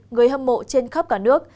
người hâm mộ trên khắp cả nước